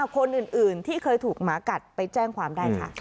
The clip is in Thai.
คนอื่นที่เคยถูกหมากัดไปแจ้งความได้ค่ะ